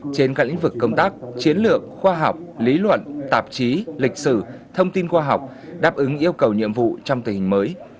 trên các lĩnh vực công tác chiến lược khoa học lý luận tạp chí lịch sử thông tin khoa học đáp ứng yêu cầu nhiệm vụ trong tình hình mới